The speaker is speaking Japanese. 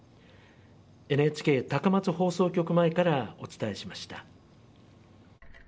ＮＨＫ高松放送局前からお伝えしました。